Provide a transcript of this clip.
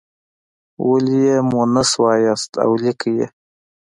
ولې یې مونث وایاست او لیکئ یې.